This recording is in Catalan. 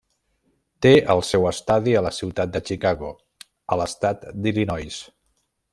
Té el seu estadi a la ciutat de Chicago, a l'estat d'Illinois.